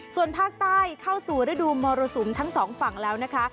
ส่วนภาคใต้เข้าสู่ฤดูมรสุมทั้งสองฝั่งแล้วนะคะ